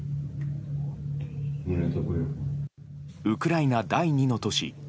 ウクライナ第２の都市